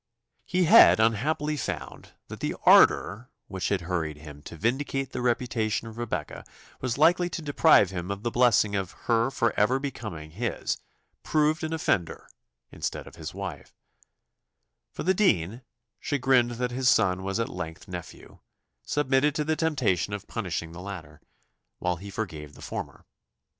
He had unhappily found that the ardour which had hurried him to vindicate the reputation of Rebecca was likely to deprive him of the blessing of her ever becoming his proved an offender instead of his wife; for the dean, chagrined that his son was at length nephew, submitted to the temptation of punishing the latter, while he forgave the former.